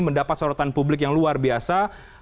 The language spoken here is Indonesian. mendapat sorotan publik yang luar biasa